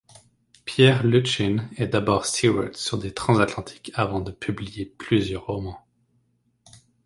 Pierre Luccin est d'abord steward sur des transatlantiques avant de publier plusieurs romans.